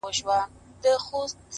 نن چي محتسب پر ګودرونو لنډۍ وچي کړې.!